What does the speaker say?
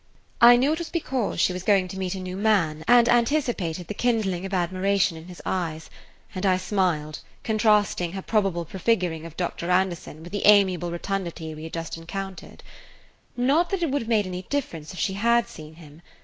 I knew it was because she was going to meet a new man and anticipated the kindling of admiration in his eyes, and I smiled, contrasting her probable prefiguring of Dr. Anderson with the amiable rotundity we had just encountered. Not [Page 150] that it would have made any difference if she had seen him.